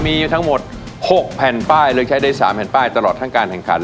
มีทั้งหมด๖แผ่นไปก็ได้ใช้ได้๓แผ่นไปตลอดทางการแข่งขัน